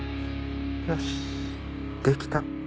よしできた。